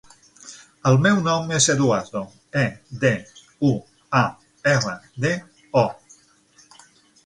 El meu nom és Eduardo: e, de, u, a, erra, de, o.